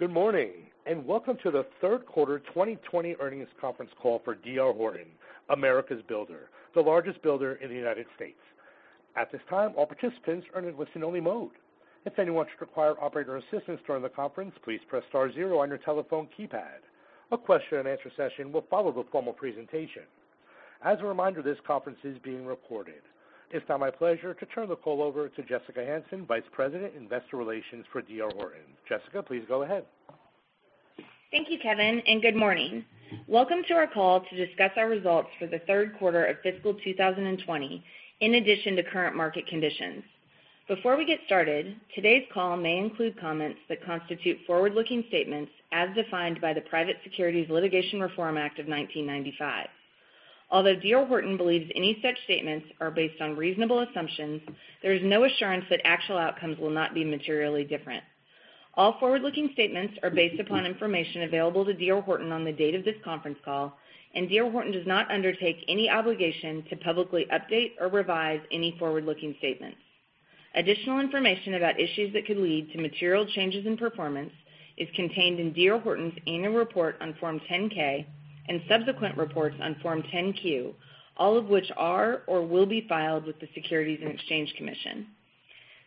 Good morning. Welcome to the third quarter 2020 earnings conference call for D.R. Horton, America's builder, the largest builder in the U.S. At this time, all participants are in a listen-only mode. If anyone should require operator assistance during the conference, please press star zero on your telephone keypad. A question-and-answer session will follow the formal presentation. As a reminder, this conference is being recorded. It's now my pleasure to turn the call over to Jessica Hansen, Vice President, Investor Relations for D.R. Horton. Jessica, please go ahead. Thank you, Kevin. Good morning. Welcome to our call to discuss our results for the third quarter of fiscal 2020, in addition to current market conditions. Before we get started, today's call may include comments that constitute forward-looking statements as defined by the Private Securities Litigation Reform Act of 1995. Although D.R. Horton believes any such statements are based on reasonable assumptions, there is no assurance that actual outcomes will not be materially different. All forward-looking statements are based upon information available to D.R. Horton on the date of this conference call. D.R. Horton does not undertake any obligation to publicly update or revise any forward-looking statements. Additional information about issues that could lead to material changes in performance is contained in D.R. Horton's annual report on Form 10-K and subsequent reports on Form 10-Q, all of which are or will be filed with the Securities and Exchange Commission.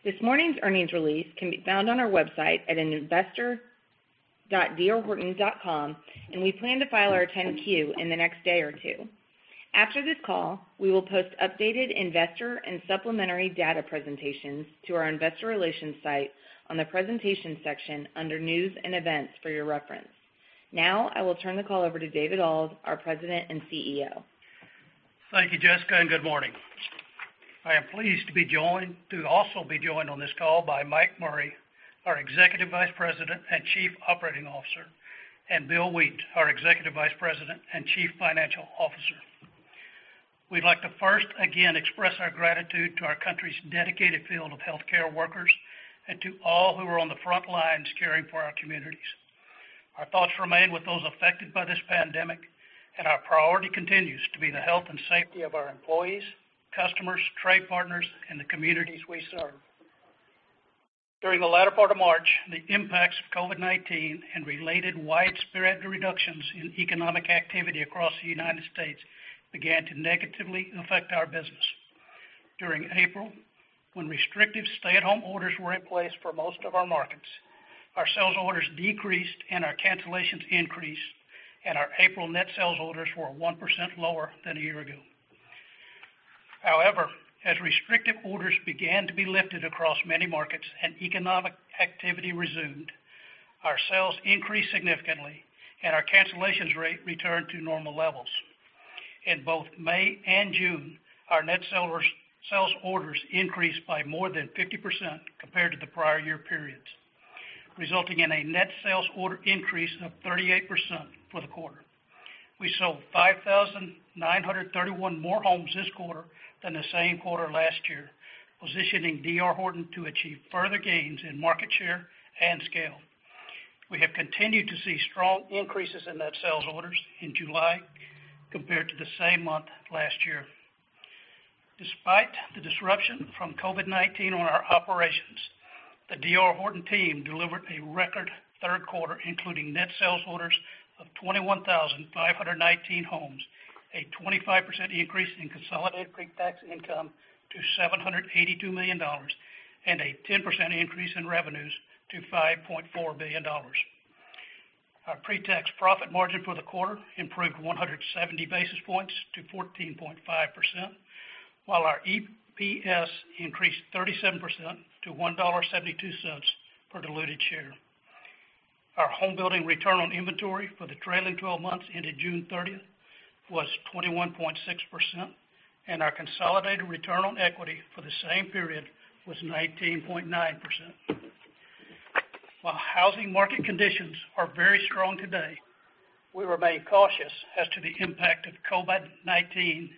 This morning's earnings release can be found on our website at investor.drhorton.com, and we plan to file our 10-Q in the next day or two. After this call, we will post updated investor and supplementary data presentations to our investor relations site on the presentations section under news and events for your reference. Now, I will turn the call over to David Auld, our President and CEO. Thank you, Jessica. Good morning. I am pleased to also be joined on this call by Mike Murray, our Executive Vice President and Chief Operating Officer, and Bill Wheat, our Executive Vice President and Chief Financial Officer. We'd like to first, again, express our gratitude to our country's dedicated field of healthcare workers and to all who are on the front lines caring for our communities. Our thoughts remain with those affected by this pandemic, and our priority continues to be the health and safety of our employees, customers, trade partners, and the communities we serve. During the latter part of March, the impacts of COVID-19 and related widespread reductions in economic activity across the United States began to negatively affect our business. During April, when restrictive stay-at-home orders were in place for most of our markets, our sales orders decreased, and our cancellations increased, and our April net sales orders were 1% lower than a year ago. However, as restrictive orders began to be lifted across many markets and economic activity resumed, our sales increased significantly, and our cancellations rate returned to normal levels. In both May and June, our net sales orders increased by more than 50% compared to the prior year periods, resulting in a net sales order increase of 38% for the quarter. We sold 5,931 more homes this quarter than the same quarter last year, positioning D.R. Horton to achieve further gains in market share and scale. We have continued to see strong increases in net sales orders in July compared to the same month last year. Despite the disruption from COVID-19 on our operations, the D.R. Horton team delivered a record third quarter, including net sales orders of 21,519 homes, a 25% increase in consolidated pre-tax income to $782 million, and a 10% increase in revenues to $5.4 billion. Our pre-tax profit margin for the quarter improved 170 basis points to 14.5%, while our EPS increased 37% to $1.72 per diluted share. Our homebuilding return on inventory for the trailing 12 months ended June 30th was 21.6%, and our consolidated return on equity for the same period was 19.9%. While housing market conditions are very strong today, we remain cautious as to the impact that COVID-19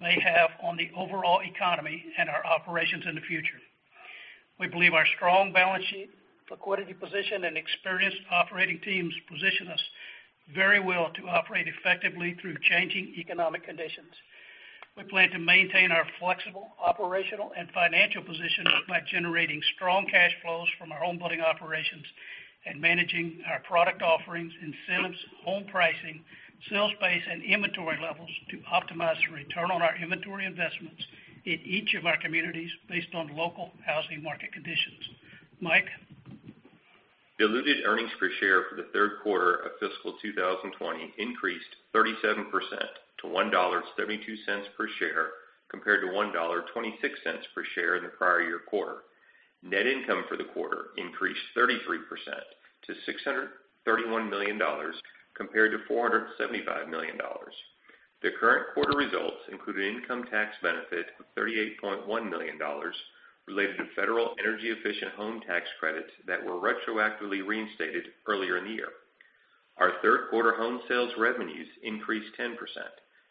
may have on the overall economy and our operations in the future. We believe our strong balance sheet, liquidity position, and experienced operating teams position us very well to operate effectively through changing economic conditions. We plan to maintain our flexible operational and financial position by generating strong cash flows from our homebuilding operations and managing our product offerings, incentives, home pricing, sales pace, and inventory levels to optimize return on our inventory investments in each of our communities based on local housing market conditions. Mike? Diluted earnings per share for the third quarter of fiscal 2020 increased 37% to $1.72 per share, compared to $1.26 per share in the prior year quarter. Net income for the quarter increased 33% to $631 million, compared to $475 million. The current quarter results include an income tax benefit of $38.1 million related to federal energy efficient home tax credits that were retroactively reinstated earlier in the year. Our third quarter home sales revenues increased 10%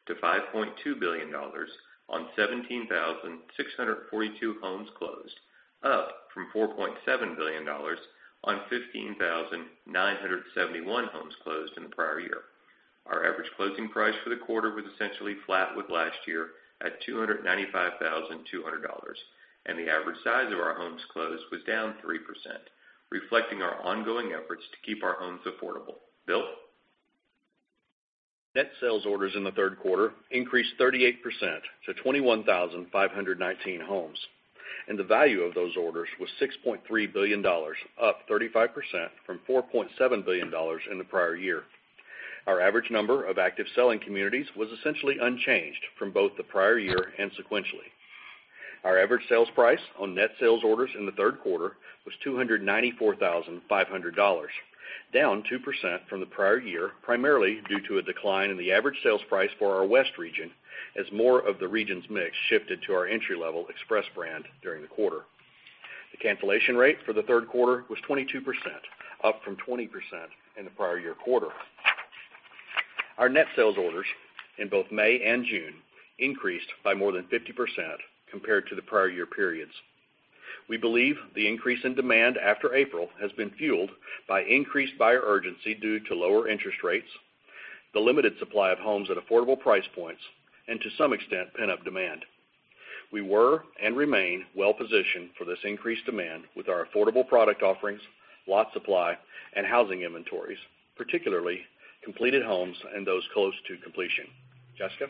to $5.2 billion on 17,642 homes closed, up from $4.7 billion on 15,971 homes closed in the prior year. Our average closing price for the quarter was essentially flat with last year at $295,200. The average size of our homes closed was down 3%, reflecting our ongoing efforts to keep our homes affordable. Bill? Net sales orders in the third quarter increased 38% to 21,519 homes. The value of those orders was $6.3 billion, up 35% from $4.7 billion in the prior year. Our average number of active selling communities was essentially unchanged from both the prior year and sequentially. Our average sales price on net sales orders in the third quarter was $294,500, down 2% from the prior year, primarily due to a decline in the average sales price for our west region, as more of the region's mix shifted to our entry-level Express brand during the quarter. The cancellation rate for the third quarter was 22%, up from 20% in the prior year quarter. Our net sales orders in both May and June increased by more than 50% compared to the prior year periods. We believe the increase in demand after April has been fueled by increased buyer urgency due to lower interest rates, the limited supply of homes at affordable price points, and to some extent, pent-up demand. We were and remain well-positioned for this increased demand with our affordable product offerings, lot supply, and housing inventories, particularly completed homes and those close to completion. Jessica?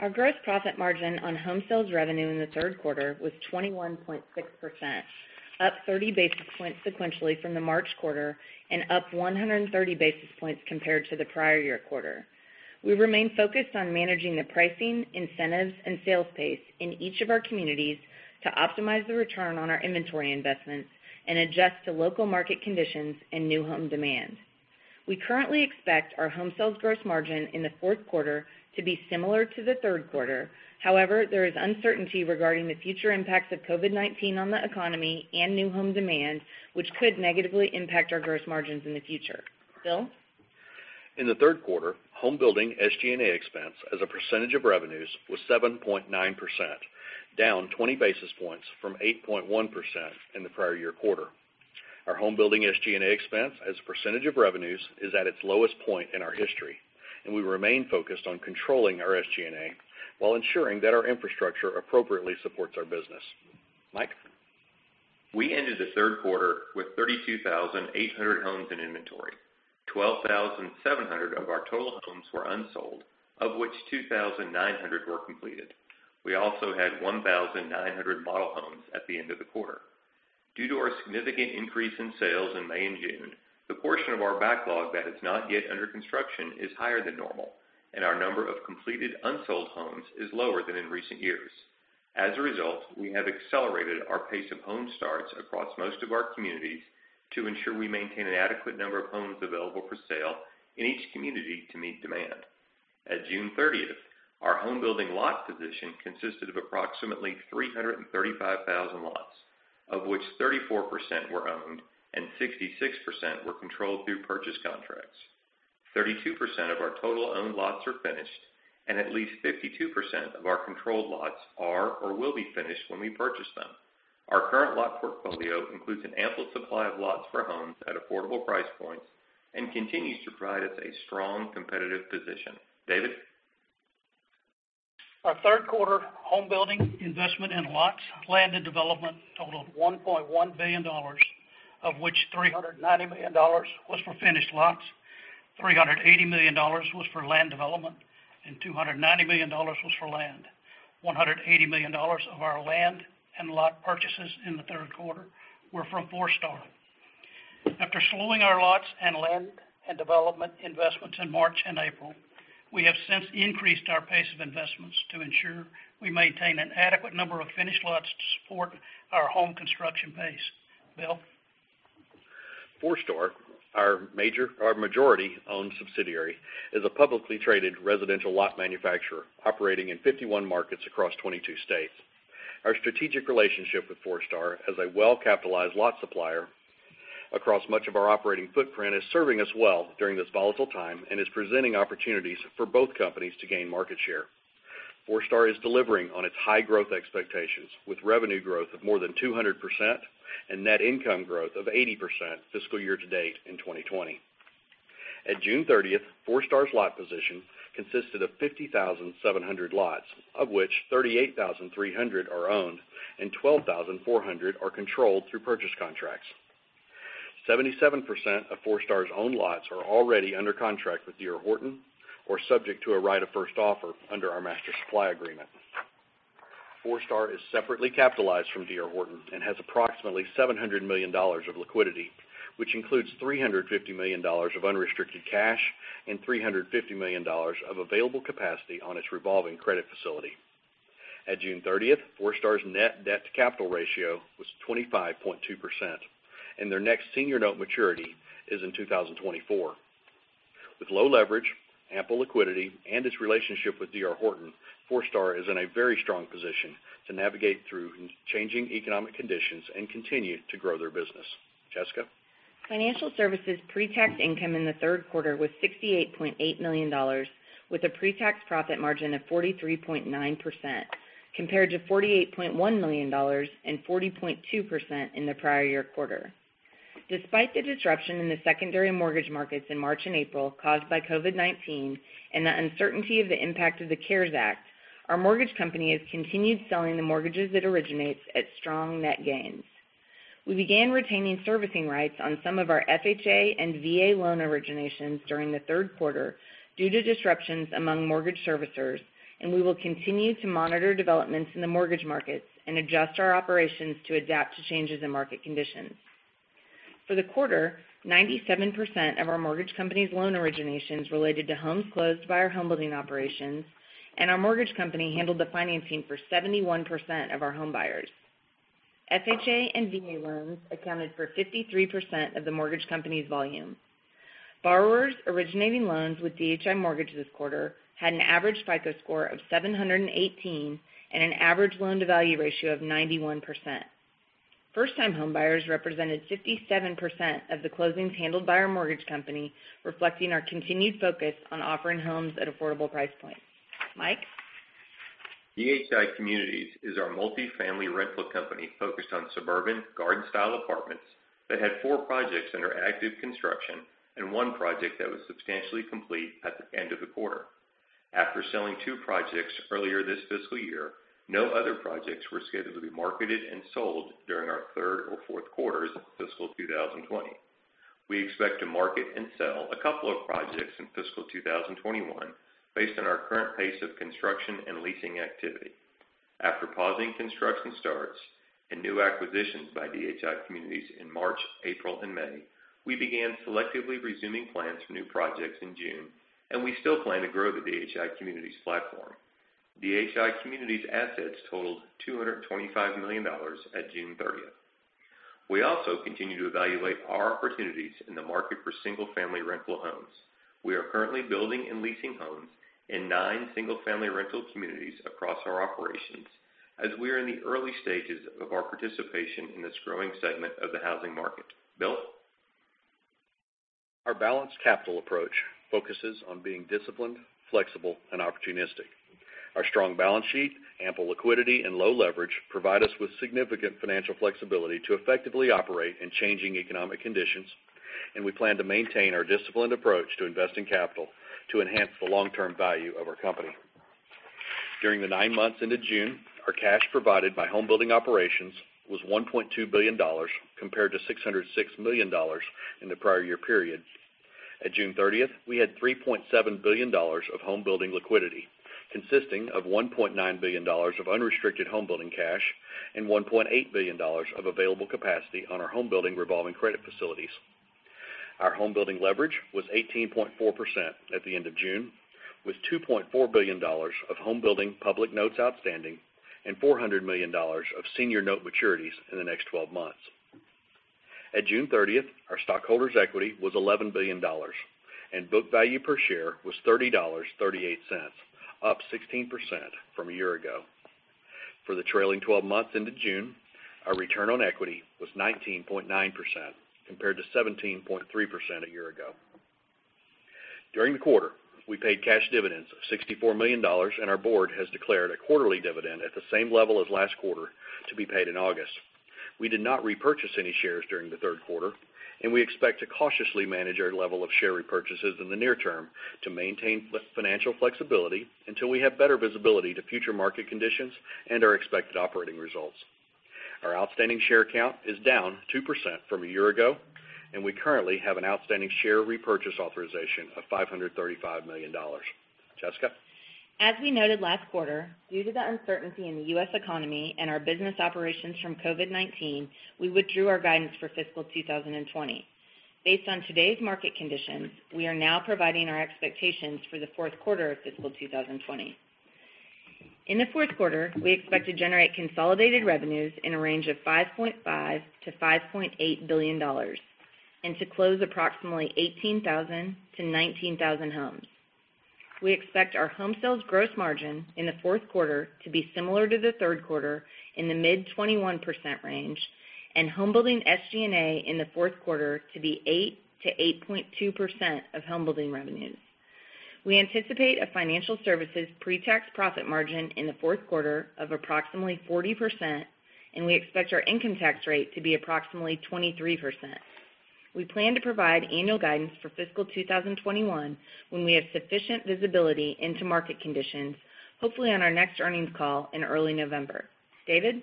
Our gross profit margin on home sales revenue in the third quarter was 21.6%, up 30 basis points sequentially from the March quarter and up 130 basis points compared to the prior year quarter. We remain focused on managing the pricing, incentives, and sales pace in each of our communities to optimize the return on our inventory investments and adjust to local market conditions and new home demand. We currently expect our home sales gross margin in the fourth quarter to be similar to the third quarter. There is uncertainty regarding the future impacts of COVID-19 on the economy and new home demand, which could negatively impact our gross margins in the future. Bill? In the third quarter, home building SG&A expense as a percentage of revenues was 7.9%, down 20 basis points from 8.1% in the prior year quarter. Our home building SG&A expense as a percentage of revenues is at its lowest point in our history, and we remain focused on controlling our SG&A while ensuring that our infrastructure appropriately supports our business. Mike? We ended the third quarter with 32,800 homes in inventory. 12,700 of our total homes were unsold, of which 2,900 were completed. We also had 1,900 model homes at the end of the quarter. Due to our significant increase in sales in May and June, the portion of our backlog that is not yet under construction is higher than normal, and our number of completed unsold homes is lower than in recent years. As a result, we have accelerated our pace of home starts across most of our communities to ensure we maintain an adequate number of homes available for sale in each community to meet demand. At June 30th, our home building lot position consisted of approximately 335,000 lots, of which 34% were owned and 66% were controlled through purchase contracts. 32% of our total owned lots are finished, and at least 52% of our controlled lots are or will be finished when we purchase them. Our current lot portfolio includes an ample supply of lots for homes at affordable price points and continues to provide us a strong competitive position. David? Our third quarter homebuilding investment in lots, land, and development totaled $1.1 billion, of which $390 million was for finished lots, $380 million was for land development, and $290 million was for land. $180 million of our land and lot purchases in the third quarter were from Forestar. After slowing our lots and land and development investments in March and April, we have since increased our pace of investments to ensure we maintain an adequate number of finished lots to support our home construction pace. Bill? Forestar, our majority-owned subsidiary, is a publicly traded residential lot manufacturer operating in 51 markets across 22 states. Our strategic relationship with Forestar as a well-capitalized lot supplier across much of our operating footprint is serving us well during this volatile time and is presenting opportunities for both companies to gain market share. Forestar is delivering on its high growth expectations with revenue growth of more than 200% and net income growth of 80% fiscal year to date in 2020. At June 30th, Forestar's lot position consisted of 50,700 lots, of which 38,300 are owned and 12,400 are controlled through purchase contracts. 77% of Forestar's owned lots are already under contract with D.R. Horton or subject to a right of first offer under our master supply agreement. Forestar is separately capitalized from D.R. Horton and has approximately $700 million of liquidity, which includes $350 million of unrestricted cash and $350 million of available capacity on its revolving credit facility. At June 30th, Forestar's net debt-to-capital ratio was 25.2%, and their next senior note maturity is in 2024. With low leverage, ample liquidity, and its relationship with D.R. Horton, Forestar is in a very strong position to navigate through changing economic conditions and continue to grow their business. Jessica? Financial services pre-tax income in the third quarter was $68.8 million, with a pre-tax profit margin of 43.9%, compared to $48.1 million and 40.2% in the prior year quarter. Despite the disruption in the secondary mortgage markets in March and April caused by COVID-19 and the uncertainty of the impact of the CARES Act, our mortgage company has continued selling the mortgages it originates at strong net gains. We began retaining servicing rights on some of our FHA and VA loan originations during the third quarter due to disruptions among mortgage servicers, and we will continue to monitor developments in the mortgage markets and adjust our operations to adapt to changes in market conditions. For the quarter, 97% of our mortgage company's loan originations related to homes closed by our homebuilding operations, and our mortgage company handled the financing for 71% of our home buyers. FHA and VA loans accounted for 53% of the mortgage company's volume. Borrowers originating loans with DHI Mortgage this quarter had an average FICO score of 718 and an average loan-to-value ratio of 91%. First-time homebuyers represented 57% of the closings handled by our mortgage company, reflecting our continued focus on offering homes at affordable price points. Mike? DHI Communities is our multifamily rental company focused on suburban garden-style apartments that had four projects under active construction and one project that was substantially complete at the end of the quarter. After selling two projects earlier this fiscal year, no other projects were scheduled to be marketed and sold during our third or fourth quarters of fiscal 2020. We expect to market and sell a couple of projects in fiscal 2021 based on our current pace of construction and leasing activity. After pausing construction starts and new acquisitions by DHI Communities in March, April, and May, we began selectively resuming plans for new projects in June. We still plan to grow the DHI Communities platform. DHI Communities assets totaled $225 million at June 30th. We also continue to evaluate our opportunities in the market for single-family rental homes. We are currently building and leasing homes in nine single-family rental communities across our operations, as we are in the early stages of our participation in this growing segment of the housing market. Bill? Our balanced capital approach focuses on being disciplined, flexible, and opportunistic. Our strong balance sheet, ample liquidity, and low leverage provide us with significant financial flexibility to effectively operate in changing economic conditions. We plan to maintain our disciplined approach to investing capital to enhance the long-term value of our company. During the nine months into June, our cash provided by homebuilding operations was $1.2 billion, compared to $606 million in the prior year period. At June 30th, we had $3.7 billion of homebuilding liquidity, consisting of $1.9 billion of unrestricted homebuilding cash and $1.8 billion of available capacity on our homebuilding revolving credit facilities. Our homebuilding leverage was 18.4% at the end of June, with $2.4 billion of homebuilding public notes outstanding and $400 million of senior note maturities in the next 12 months. At June 30th, our stockholders' equity was $11 billion, and book value per share was $30.38, up 16% from a year ago. For the trailing 12 months into June, our return on equity was 19.9%, compared to 17.3% a year ago. During the quarter, we paid cash dividends of $64 million, and our board has declared a quarterly dividend at the same level as last quarter to be paid in August. We did not repurchase any shares during the third quarter, and we expect to cautiously manage our level of share repurchases in the near term to maintain financial flexibility until we have better visibility to future market conditions and our expected operating results. Our outstanding share count is down 2% from a year ago, and we currently have an outstanding share repurchase authorization of $535 million. Jessica? As we noted last quarter, due to the uncertainty in the U.S. economy and our business operations from COVID-19, we withdrew our guidance for fiscal 2020. Based on today's market conditions, we are now providing our expectations for the fourth quarter of fiscal 2020. In the fourth quarter, we expect to generate consolidated revenues in a range of $5.5 billion-$5.8 billion and to close approximately 18,000-19,000 homes. We expect our home sales gross margin in the fourth quarter to be similar to the third quarter in the mid-21% range, and homebuilding SG&A in the fourth quarter to be 8%-8.2% of homebuilding revenues. We anticipate a financial services pretax profit margin in the fourth quarter of approximately 40%, and we expect our income tax rate to be approximately 23%. We plan to provide annual guidance for fiscal 2021 when we have sufficient visibility into market conditions, hopefully on our next earnings call in early November. David?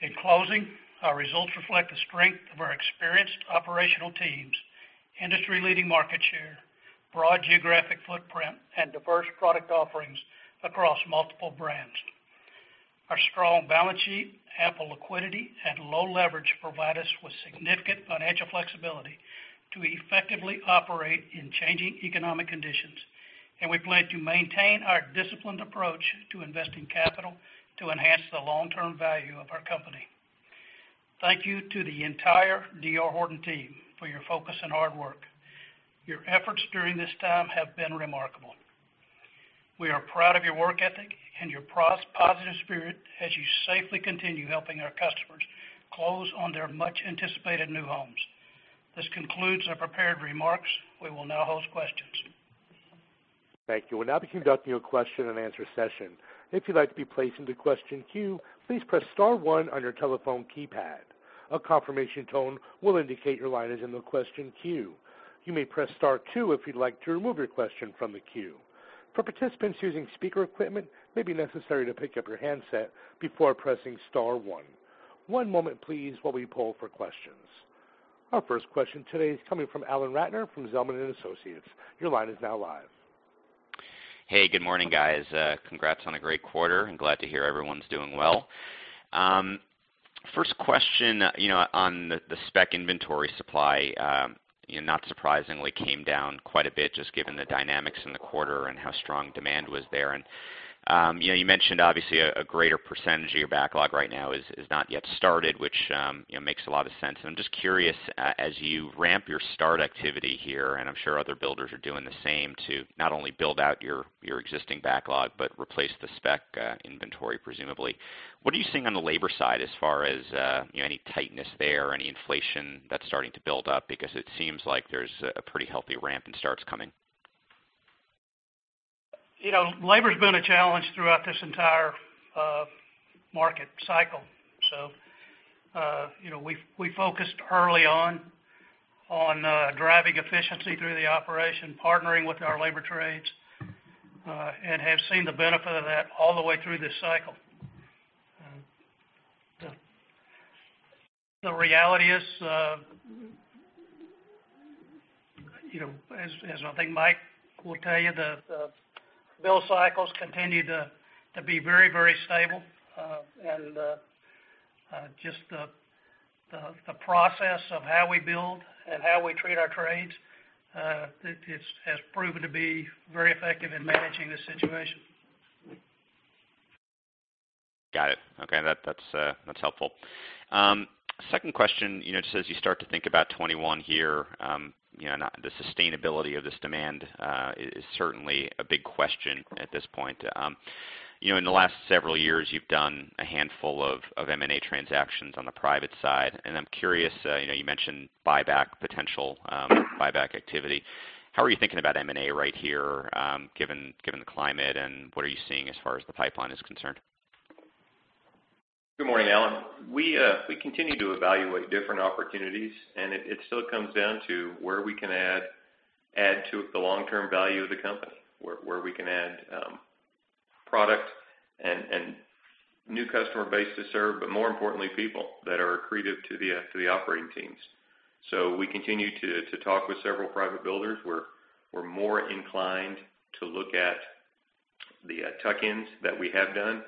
In closing, our results reflect the strength of our experienced operational teams, industry-leading market share, broad geographic footprint, and diverse product offerings across multiple brands. Our strong balance sheet, ample liquidity, and low leverage provide us with significant financial flexibility to effectively operate in changing economic conditions. We plan to maintain our disciplined approach to investing capital to enhance the long-term value of our company. Thank you to the entire D.R. Horton team for your focus and hard work. Your efforts during this time have been remarkable. We are proud of your work ethic and your positive spirit as you safely continue helping our customers close on their much-anticipated new homes. This concludes our prepared remarks. We will now host questions. Thank you. We'll now be conducting a question-and-answer session. If you'd like to be placed into question queue, please press star one on your telephone keypad. A confirmation tone will indicate your line is in the question queue. You may press star two if you'd like to remove your question from the queue. For participants using speaker equipment, it may be necessary to pick up your handset before pressing star one. One moment please, while we poll for questions. Our first question today is coming from Alan Ratner from Zelman & Associates. Your line is now live. Hey, good morning, guys. Congrats on a great quarter, and glad to hear everyone's doing well. First question, on the spec inventory supply, not surprisingly, came down quite a bit, just given the dynamics in the quarter and how strong demand was there. You mentioned, obviously, a greater percentage of your backlog right now is not yet started, which makes a lot of sense. I'm just curious, as you ramp your start activity here, and I'm sure other builders are doing the same to not only build out your existing backlog, but replace the spec inventory, presumably, what are you seeing on the labor side as far as any tightness there or any inflation that's starting to build up? It seems like there's a pretty healthy ramp in starts coming. Labor's been a challenge throughout this entire market cycle. We focused early on driving efficiency through the operation, partnering with our labor trades, and have seen the benefit of that all the way through this cycle. The reality is, as I think Mike will tell you, the build cycles continue to be very stable. Just the process of how we build and how we treat our trades, has proven to be very effective in managing this situation. Got it. Okay. That's helpful. Second question, just as you start to think about 2021 here, the sustainability of this demand is certainly a big question at this point. In the last several years, you've done a handful of M&A transactions on the private side. I'm curious, you mentioned buyback potential, buyback activity. How are you thinking about M&A right here, given the climate, and what are you seeing as far as the pipeline is concerned? Good morning, Alan. We continue to evaluate different opportunities. It still comes down to where we can add to the long-term value of the company, where we can add product and new customer base to serve, but more importantly, people that are accretive to the operating teams. We continue to talk with several private builders. We're more inclined to look at the tuck-ins that we have done,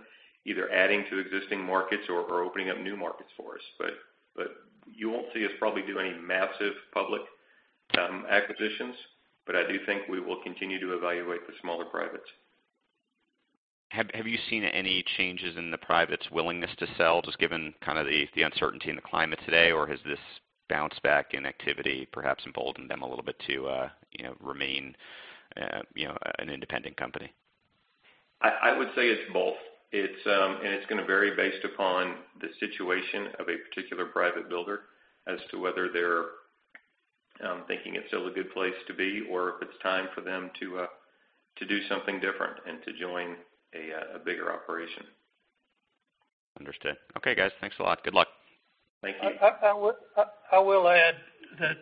either adding to existing markets or opening up new markets for us. You won't see us probably do any massive public acquisitions, but I do think we will continue to evaluate the smaller privates. Have you seen any changes in the private's willingness to sell, just given the uncertainty in the climate today, or has this bounce back in activity perhaps emboldened them a little bit to remain an independent company? I would say it's both. It's going to vary based upon the situation of a particular private builder as to whether they're thinking it's still a good place to be, or if it's time for them to do something different and to join a bigger operation. Understood. Okay, guys. Thanks a lot. Good luck. Thank you. I will add that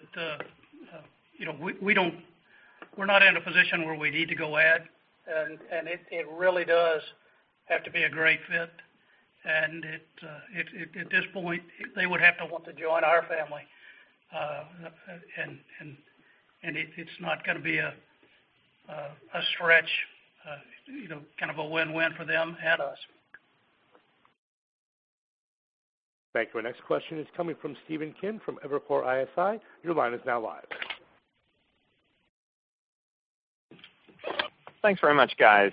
we're not in a position where we need to go add, it really does have to be a great fit, at this point, they would have to want to join our family. It's not going to be a stretch, kind of a win-win for them and us. Thank you. Our next question is coming from Stephen Kim from Evercore ISI. Your line is now live. Thanks very much, guys.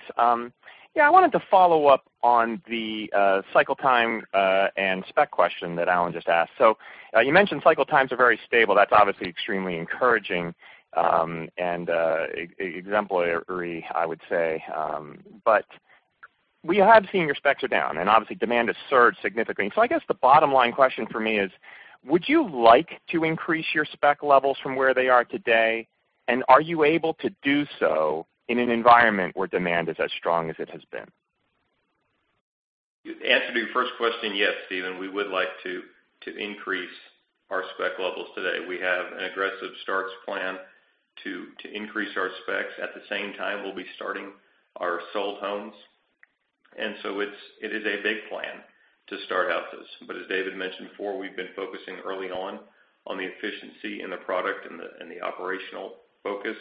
I wanted to follow up on the cycle time and spec question that Alan just asked. You mentioned cycle times are very stable. That's obviously extremely encouraging, and exemplary, I would say. We have seen your specs are down, and obviously demand has surged significantly. I guess the bottom line question for me is, would you like to increase your spec levels from where they are today? Are you able to do so in an environment where demand is as strong as it has been? To answer to your first question, yes, Stephen, we would like to increase our spec levels today. We have an aggressive starts plan to increase our specs. At the same time, we'll be starting our sold homes. It is a big plan to start houses. As David mentioned before, we've been focusing early on the efficiency in the product and the operational focus,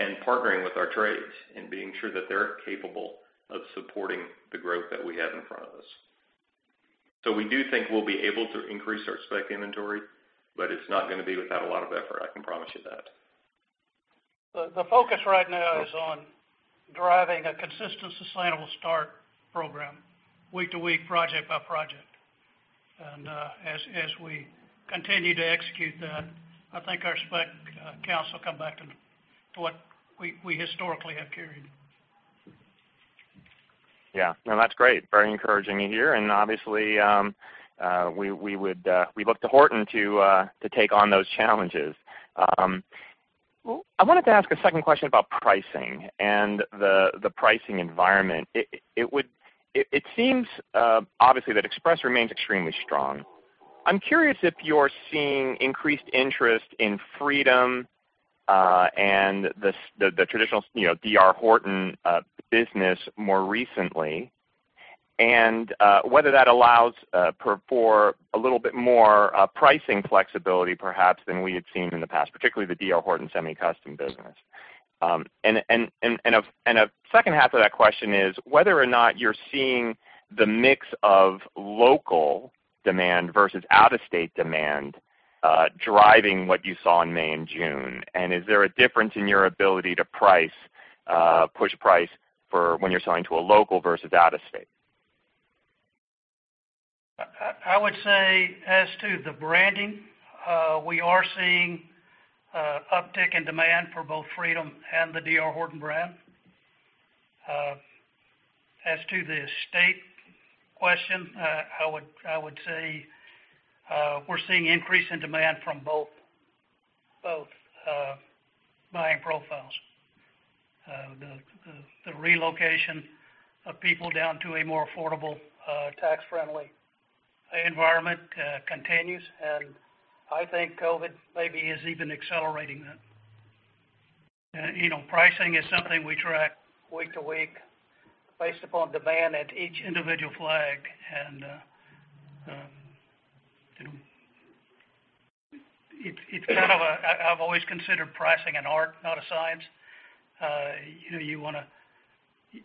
and partnering with our trades and being sure that they're capable of supporting the growth that we have in front of us. We do think we'll be able to increase our spec inventory, but it's not going to be without a lot of effort, I can promise you that. The focus right now is on driving a consistent, sustainable start program week to week, project by project. As we continue to execute that, I think our spec counts will come back to what we historically have carried. Yeah. No, that's great. Very encouraging to hear, and obviously, we look to Horton to take on those challenges. I wanted to ask a second question about pricing and the pricing environment. It seems, obviously, that Express remains extremely strong. I'm curious if you're seeing increased interest in Freedom and the traditional D.R. Horton business more recently, and whether that allows for a little bit more pricing flexibility perhaps than we had seen in the past, particularly the D.R. Horton semi-custom business. A second half of that question is whether or not you're seeing the mix of local demand versus out-of-state demand driving what you saw in May and June, and is there a difference in your ability to price, push price for when you're selling to a local versus out of state? I would say as to the branding, we are seeing uptick in demand for both Freedom and the D.R. Horton brand. As to the state question, I would say we're seeing increase in demand from both buying profiles. The relocation of people down to a more affordable, tax-friendly environment continues. I think COVID maybe is even accelerating that. Pricing is something we track week to week based upon demand at each individual flag. I've always considered pricing an art, not a science.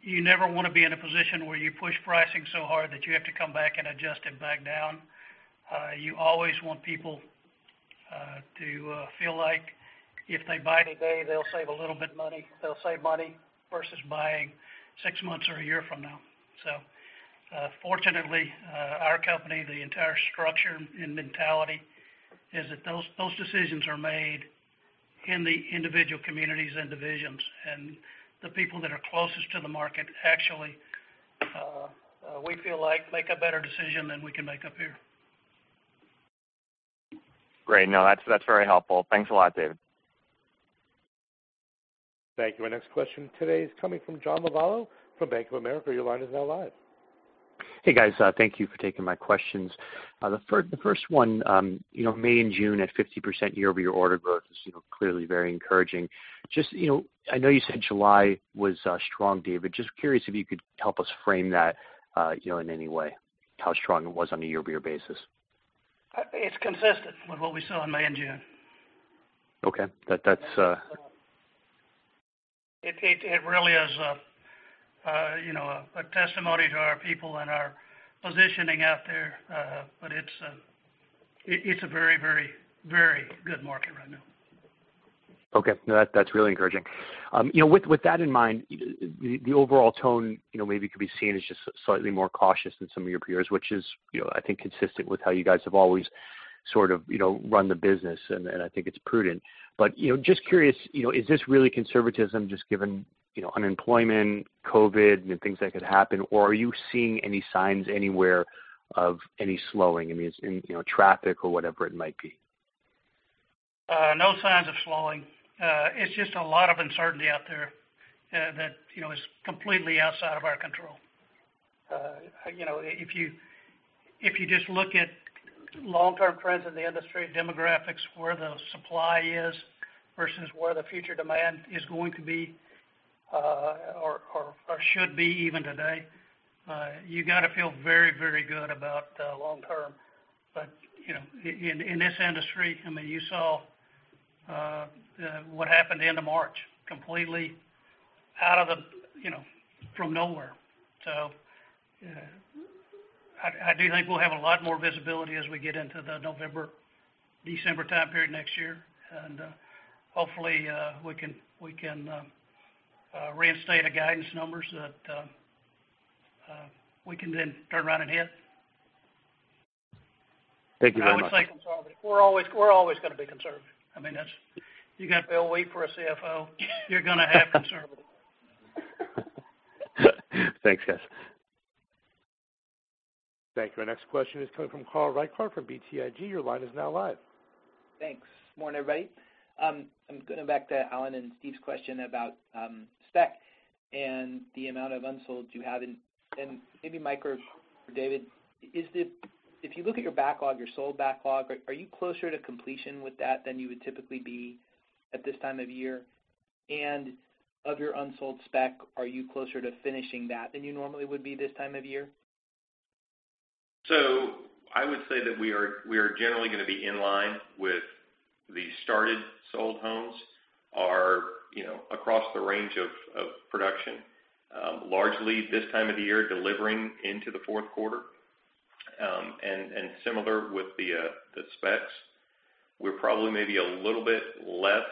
You never want to be in a position where you push pricing so hard that you have to come back and adjust it back down. You always want people to feel like if they buy today, they'll save a little bit of money, they'll save money versus buying six months or a year from now. Fortunately, our company, the entire structure and mentality is that those decisions are made in the individual communities and divisions. The people that are closest to the market actually, we feel like make a better decision than we can make up here. Great. No, that's very helpful. Thanks a lot, David. Thank you. Our next question today is coming from John Lovallo from Bank of America. Your line is now live. Hey, guys. Thank you for taking my questions. The first one, May and June at 50% year-over-year order growth is clearly very encouraging. I know you said July was strong, David. Just curious if you could help us frame that, in any way, how strong it was on a year-over-year basis. It's consistent with what we saw in May and June. Okay. It really is a testimony to our people and our positioning out there. It's a very good market right now. Okay. No, that's really encouraging. With that in mind, the overall tone maybe could be seen as just slightly more cautious than some of your peers, which is I think consistent with how you guys have always sort of run the business, and I think it's prudent. Just curious, is this really conservatism just given unemployment, COVID, and things that could happen, or are you seeing any signs anywhere of any slowing? I mean, in traffic or whatever it might be. No signs of slowing. It's just a lot of uncertainty out there that is completely outside of our control. If you just look at long-term trends in the industry, demographics, where the supply is versus where the future demand is going to be, or should be even today, you got to feel very good about the long term. In this industry, I mean, you saw what happened the end of March, completely out of nowhere. I do think we'll have a lot more visibility as we get into the November-December time period next year. Hopefully, we can reinstate the guidance numbers that we can then turn around and hit. Thank you very much. I would say conservative. We're always going to be conservative. I mean, you got Bill Wheat for a CFO, you're going to have conservative. Thanks, guys. Thank you. Our next question is coming from Carl Reichardt from BTIG. Your line is now live. Thanks. Morning, everybody. I'm going back to Alan and Stephen's question about spec and the amount of unsolds you have, and maybe Mike or David. If you look at your backlog, your sold backlog, are you closer to completion with that than you would typically be at this time of year? Of your unsold spec, are you closer to finishing that than you normally would be this time of year? I would say that we are generally going to be in line with the started sold homes are across the range of production, largely this time of the year, delivering into the fourth quarter, similar with the specs. We're probably maybe a little bit less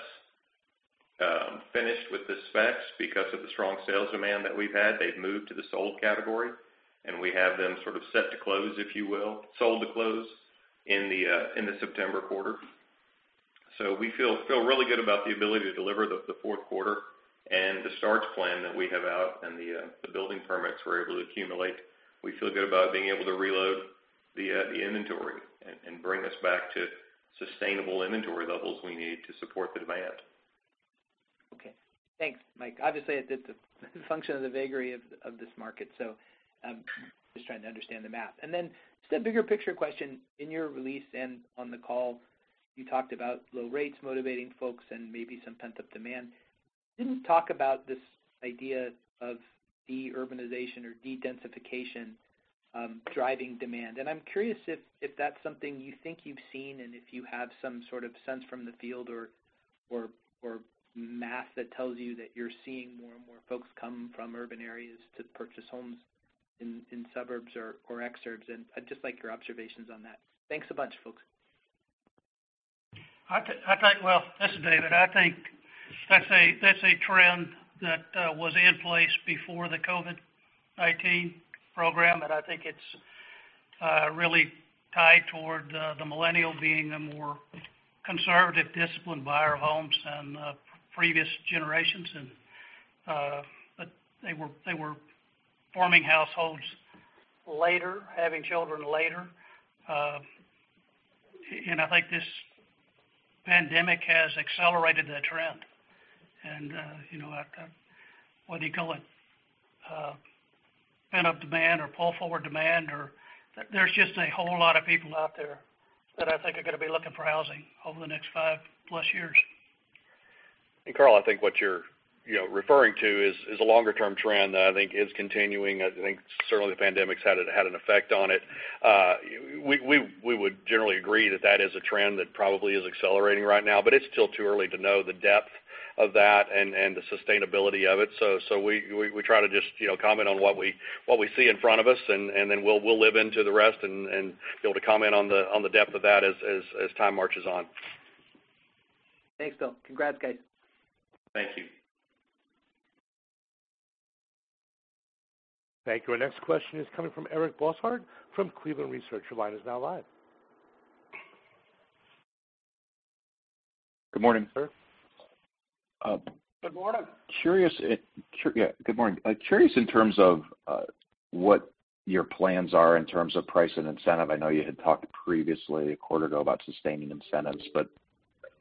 finished with the specs because of the strong sales demand that we've had. They've moved to the sold category, and we have them sort of set to close, if you will, sold to close in the September quarter. We feel really good about the ability to deliver the fourth quarter and the starts plan that we have out and the building permits we're able to accumulate. We feel good about being able to reload the inventory and bring us back to sustainable inventory levels we need to support the demand. Okay. Thanks, Mike. Obviously, it's a function of the vagary of this market, so I'm just trying to understand the math. Then just a bigger picture question. In your release and on the call, you talked about low rates motivating folks and maybe some pent-up demand. You didn't talk about this idea of de-urbanization or de-densification driving demand, and I'm curious if that's something you think you've seen and if you have some sort of sense from the field or math that tells you that you're seeing more and more folks come from urban areas to purchase homes in suburbs or exurbs, and I'd just like your observations on that. Thanks a bunch, folks. Well, this is David. I think that's a trend that was in place before the COVID-19 program, and I think it's really tied toward the millennial being a more conservative, disciplined buyer of homes than previous generations. They were forming households later, having children later. I think this pandemic has accelerated that trend, and what do you call it? Pent-up demand or pull-forward demand. There's just a whole lot of people out there that I think are going to be looking for housing over the next 5+ years. Carl, I think what you're referring to is a longer-term trend that I think is continuing. I think certainly the pandemic's had an effect on it. We would generally agree that that is a trend that probably is accelerating right now. It's still too early to know the depth of that and the sustainability of it, so we try to just comment on what we see in front of us, and then we'll live into the rest and be able to comment on the depth of that as time marches on. Thanks, Bill. Congrats, guys. Thank you. Thank you. Our next question is coming from Eric Bosshard from Cleveland Research. Your line is now live. Good morning. Good morning. Good morning. Curious in terms of what your plans are in terms of price and incentive. I know you had talked previously, a quarter ago, about sustaining incentives.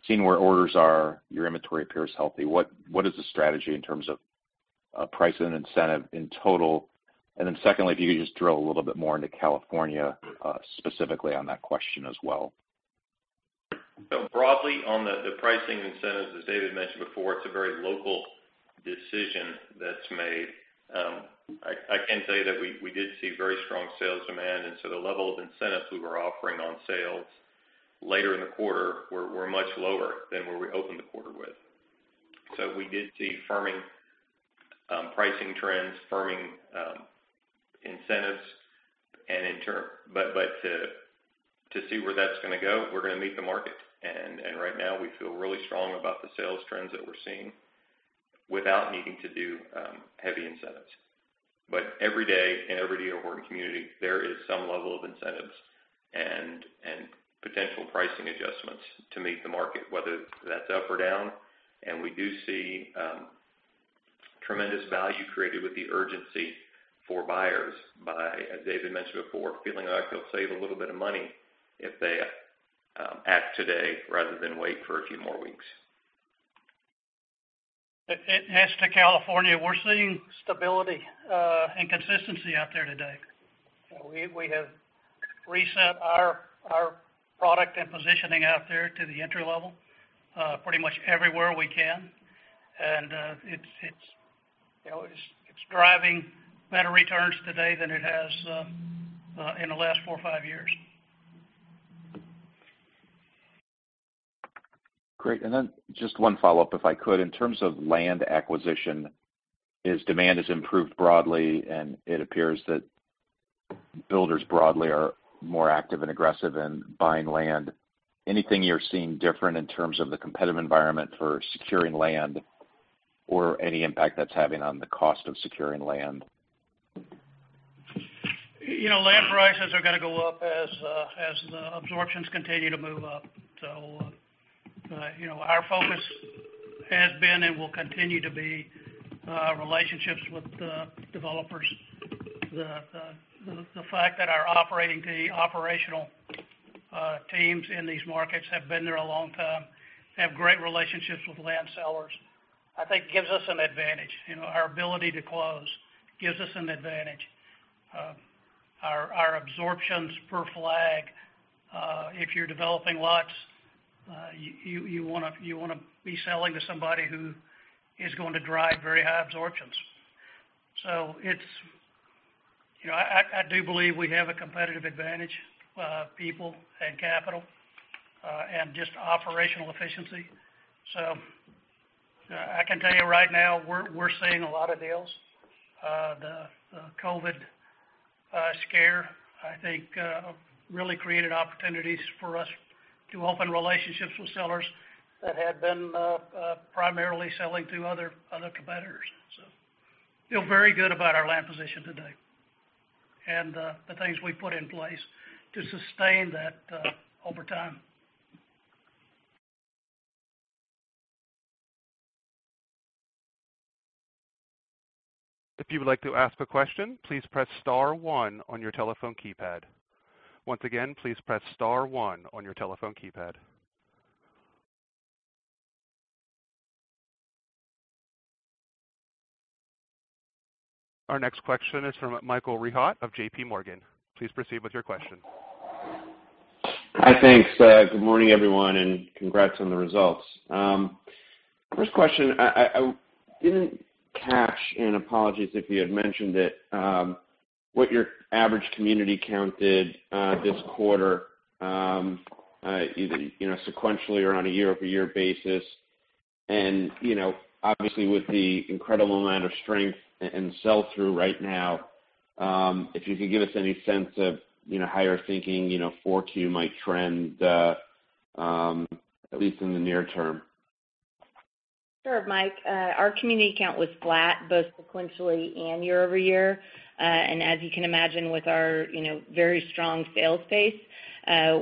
Seeing where orders are, your inventory appears healthy. What is the strategy in terms of price and incentive in total? Secondly, if you could just drill a little bit more into California specifically on that question as well. Broadly on the pricing incentives, as David mentioned before, it's a very local decision that's made. I can tell you that we did see very strong sales demand, the level of incentives we were offering on sales later in the quarter were much lower than where we opened the quarter with. We did see firming pricing trends, firming incentives. To see where that's going to go, we're going to meet the market, and right now we feel really strong about the sales trends that we're seeing without needing to do heavy incentives. Every day in every D.R. Horton community, there is some level of incentives and potential pricing adjustments to meet the market, whether that's up or down. We do see tremendous value created with the urgency for buyers by, as David mentioned before, feeling like they'll save a little bit of money if they act today rather than wait for a few more weeks. As to California, we're seeing stability and consistency out there today. We have reset our product and positioning out there to the entry level pretty much everywhere we can. It's driving better returns today than it has in the last four or five years. Great. Just one follow-up, if I could. In terms of land acquisition, as demand has improved broadly and it appears that builders broadly are more active and aggressive in buying land, anything you're seeing different in terms of the competitive environment for securing land or any impact that's having on the cost of securing land? Land prices are going to go up as the absorptions continue to move up. Our focus has been and will continue to be relationships with the developers. The fact that our operational teams in these markets have been there a long time, have great relationships with land sellers, I think gives us an advantage. Our ability to close gives us an advantage. Our absorptions per flag, if you're developing lots, you want to be selling to somebody who is going to drive very high absorptions. I do believe we have a competitive advantage, people and capital, and just operational efficiency. I can tell you right now, we're seeing a lot of deals. The COVID scare, I think, really created opportunities for us to open relationships with sellers that had been primarily selling to other competitors. Feel very good about our land position today. The things we put in place to sustain that over time. If you would like to ask a question, please press star one on your telephone keypad. Once again, please press star one on your telephone keypad. Our next question is from Michael Rehaut of JPMorgan. Please proceed with your question. Hi. Thanks. Good morning, everyone, and congrats on the results. First question, I didn't catch, and apologies if you had mentioned it, what your average community count did this quarter either sequentially or on a year-over-year basis. Obviously with the incredible amount of strength and sell-through right now, if you could give us any sense of how you're thinking 4Q might trend, at least in the near term. Sure, Mike. Our community count was flat both sequentially and year-over-year. As you can imagine with our very strong sales pace,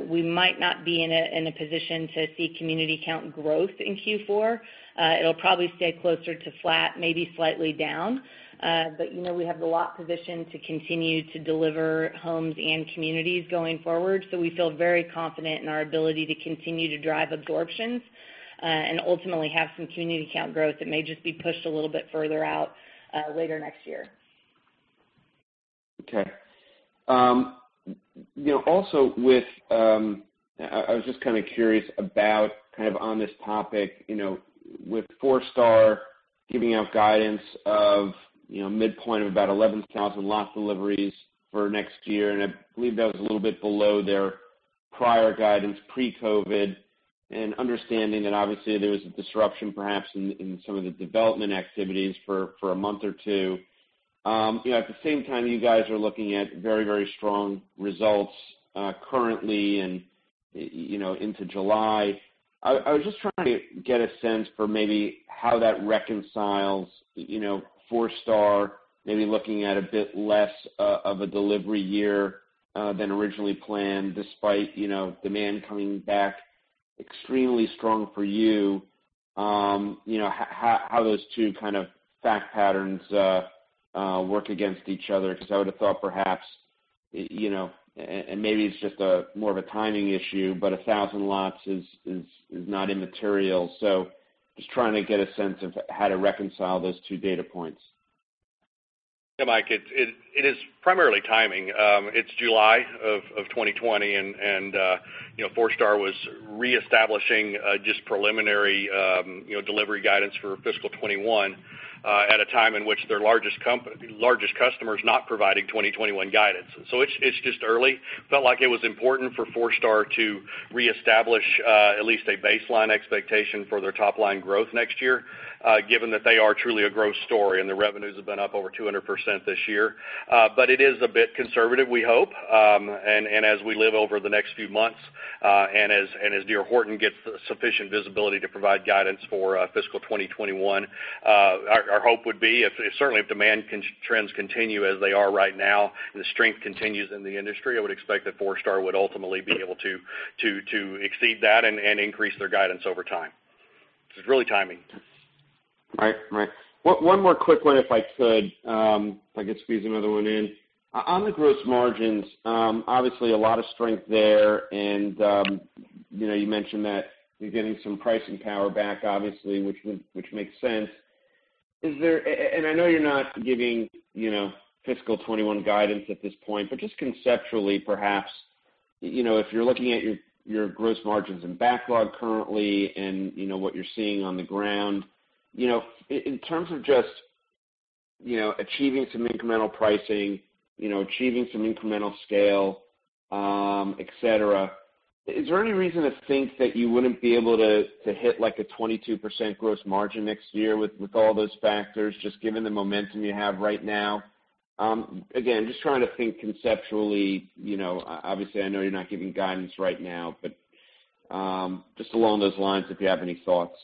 we might not be in a position to see community count growth in Q4. It'll probably stay closer to flat, maybe slightly down. We have the lot position to continue to deliver homes and communities going forward. We feel very confident in our ability to continue to drive absorptions, and ultimately have some community count growth that may just be pushed a little bit further out later next year. Okay. Also, I was just curious about on this topic, with Forestar giving out guidance of midpoint of about 11,000 lot deliveries for next year. I believe that was a little bit below their prior guidance pre-COVID, understanding that obviously there was a disruption perhaps in some of the development activities for a month or two. At the same time, you guys are looking at very strong results currently and into July. I was just trying to get a sense for maybe how that reconciles Forestar maybe looking at a bit less of a delivery year, than originally planned despite demand coming back extremely strong for you. How those two fact patterns work against each other? I would've thought perhaps, and maybe it's just more of a timing issue, but 1,000 lots is not immaterial. Just trying to get a sense of how to reconcile those two data points. Yeah, Mike, it is primarily timing. It's July of 2020 and Forestar was reestablishing just preliminary delivery guidance for fiscal 2021, at a time in which their largest customer is not providing 2021 guidance. It's just early. Felt like it was important for Forestar to reestablish at least a baseline expectation for their top-line growth next year, given that they are truly a growth story and the revenues have been up over 200% this year. It is a bit conservative, we hope. As we live over the next few months, and as D.R. Horton gets sufficient visibility to provide guidance for fiscal 2021, our hope would be certainly if demand trends continue as they are right now and the strength continues in the industry, I would expect that Forestar would ultimately be able to exceed that and increase their guidance over time. It's really timing. Right. One more quick one if I could squeeze another one in. On the gross margins, obviously a lot of strength there and you mentioned that you're getting some pricing power back, obviously, which makes sense. I know you're not giving fiscal 2021 guidance at this point, but just conceptually, perhaps, if you're looking at your gross margins and backlog currently and what you're seeing on the ground, in terms of just achieving some incremental pricing, achieving some incremental scale, et cetera, is there any reason to think that you wouldn't be able to hit like a 22% gross margin next year with all those factors just given the momentum you have right now? Again, just trying to think conceptually. Obviously, I know you're not giving guidance right now, but, just along those lines, if you have any thoughts.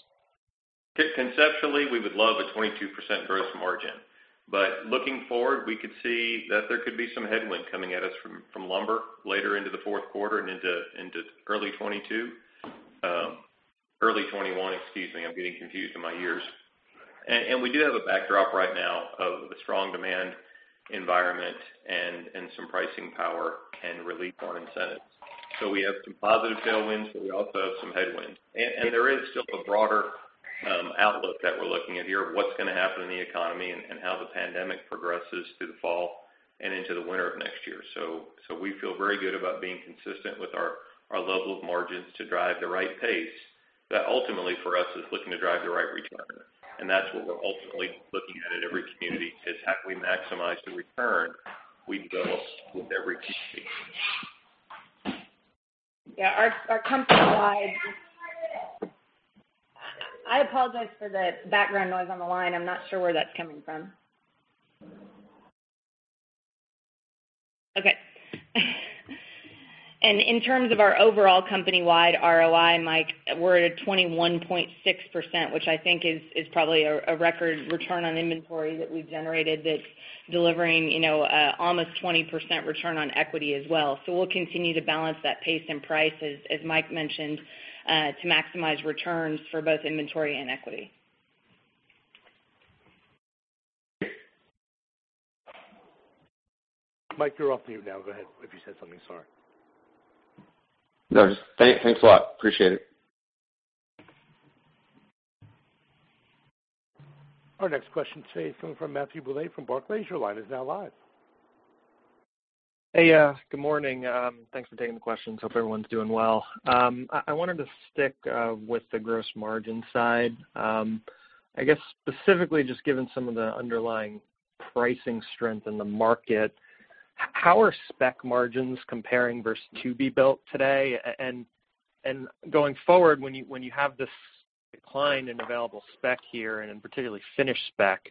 Conceptually, we would love a 22% gross margin. Looking forward, we could see that there could be some headwind coming at us from lumber later into the fourth quarter and into early 2022. Early 2021, excuse me. I'm getting confused on my years. We do have a backdrop right now of a strong demand environment and some pricing power and relief on incentives. We have some positive tailwinds, but we also have some headwinds. There is still a broader outlook that we're looking at here of what's going to happen in the economy and how the pandemic progresses through the fall and into the winter of next year. We feel very good about being consistent with our level of margins to drive the right pace that ultimately for us is looking to drive the right return. That's what we're ultimately looking at in every community is how can we maximize the return we develop with every community. Yeah, I apologize for the background noise on the line. I'm not sure where that's coming from. Okay. In terms of our overall company-wide ROI, Mike, we're at a 21.6%, which I think is probably a record return on inventory that we've generated that's delivering almost 20% return on equity as well. We'll continue to balance that pace and price, as Mike mentioned, to maximize returns for both inventory and equity. Mike, you're off mute now. Go ahead, if you said something. Sorry. No, just thanks a lot. Appreciate it. Our next question today is coming from Matthew Bouley from Barclays. Your line is now live. Hey, good morning. Thanks for taking the questions. Hope everyone's doing well. I wanted to stick with the gross margin side. I guess specifically just given some of the underlying pricing strength in the market, how are spec margins comparing versus to-be-built today? Going forward, when you have this decline in available spec here, and in particularly finished spec,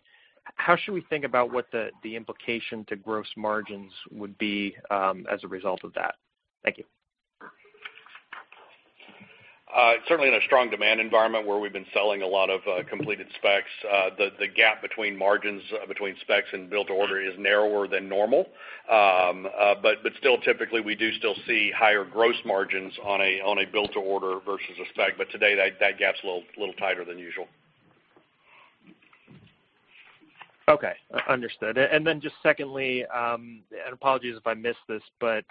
how should we think about what the implication to gross margins would be as a result of that? Thank you. Certainly in a strong demand environment where we've been selling a lot of completed specs, the gap between margins between specs and build to order is narrower than normal. Still typically, we do still see higher gross margins on a built to order versus a spec. Today, that gap's a little tighter than usual. Okay. Understood. Just secondly, and apologies if I missed this, but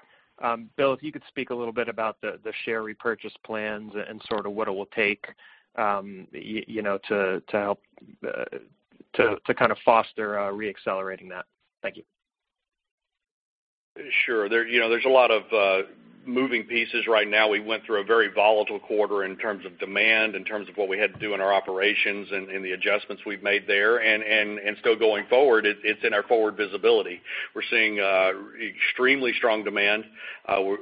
Bill, if you could speak a little bit about the share repurchase plans and sort of what it will take to kind of foster re-accelerating that. Thank you. Sure. There's a lot of moving pieces right now. We went through a very volatile quarter in terms of demand, in terms of what we had to do in our operations, and the adjustments we've made there. Still going forward, it's in our forward visibility. We're seeing extremely strong demand.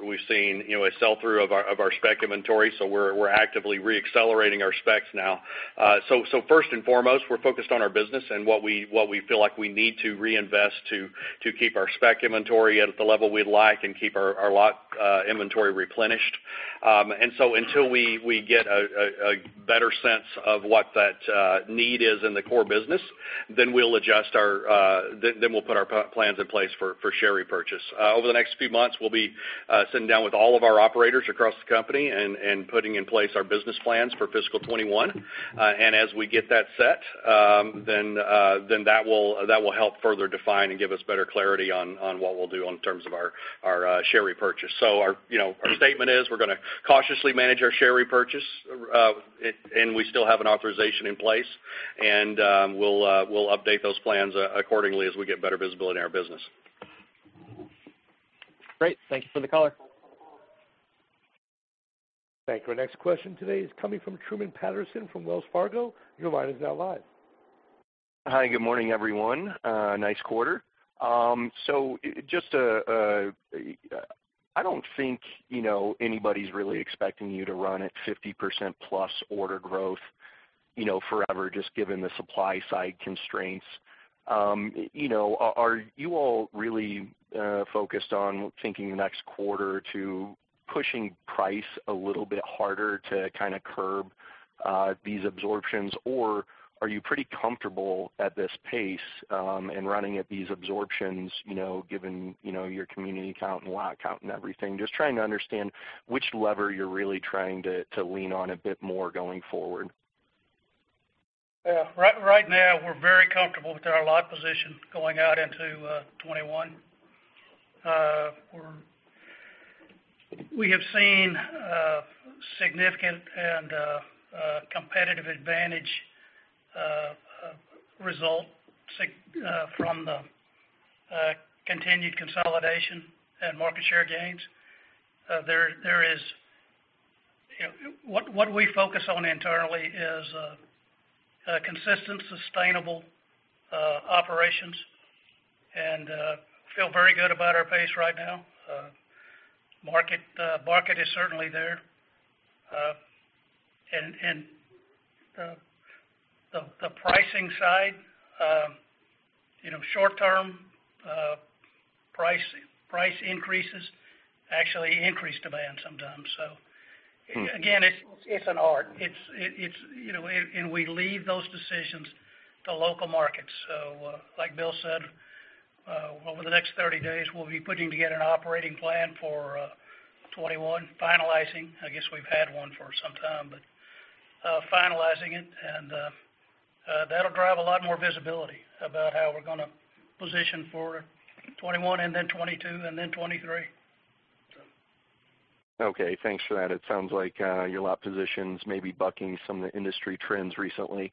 We've seen a sell-through of our spec inventory, so we're actively re-accelerating our specs now. First and foremost, we're focused on our business and what we feel like we need to reinvest to keep our spec inventory at the level we'd like and keep our lot inventory replenished. Until we get a better sense of what that need is in the core business, then we'll put our plans in place for share repurchase. Over the next few months, we'll be sitting down with all of our operators across the company and putting in place our business plans for fiscal 2021. As we get that set, that will help further define and give us better clarity on what we'll do in terms of our share repurchase. Our statement is we're going to cautiously manage our share repurchase, we still have an authorization in place. We'll update those plans accordingly as we get better visibility in our business. Great. Thank you for the color. Thank you. Our next question today is coming from Truman Patterson from Wells Fargo. Your line is now live. Hi, good morning, everyone. Nice quarter. Just I don't think anybody's really expecting you to run at 50%+ order growth forever, just given the supply side constraints. Are you all really focused on thinking next quarter to pushing price a little bit harder to kind of curb these absorptions? Are you pretty comfortable at this pace, and running at these absorptions, given your community count and lot count and everything? Just trying to understand which lever you're really trying to lean on a bit more going forward. Yeah. Right now, we're very comfortable with our lot position going out into 2021. We have seen significant and competitive advantage results from the continued consolidation and market share gains. What we focus on internally is consistent, sustainable operations, and feel very good about our pace right now. Market is certainly there. The pricing side short-term price increases actually increase demand sometimes. It's an art. We leave those decisions to local markets. Like Bill said, over the next 30 days, we'll be putting together an operating plan for 2021, finalizing, I guess we've had one for some time, but finalizing it, and that'll drive a lot more visibility about how we're going to position for 2021 and then 2022, and then 2023. Okay, thanks for that. It sounds like your lot positions may be bucking some of the industry trends recently.